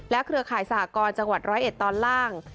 และเครือข่ายสหกรณ์จังหวัด๑๐๑ตอนล่าง